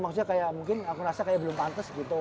maksudnya kayak mungkin aku rasa kayak belum pantes gitu